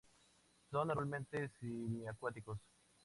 Son normalmente semiacuáticos.